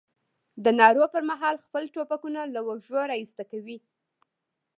د نارو پر مهال خپل ټوپکونه له اوږې را ایسته کوي.